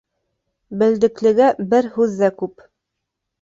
Белдеклегә бер һүҙ ҙә күп